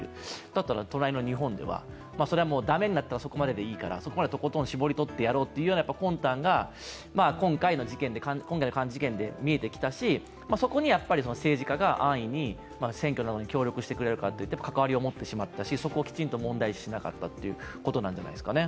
だったら、隣の日本ではそれは駄目になったらそこまででいいからそこまでとことんしぼり取ってやろうという魂胆が今回の事件で見えてきたし、そこに政治家が安易に選挙などに協力してくれるからといって関わりを持っていなかったしそこをきちんと問題視しなかったということなんじゃないですかね。